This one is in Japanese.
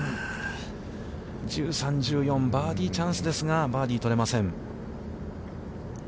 １３、１４、バーディーチャンスですが、バーディーを取れません。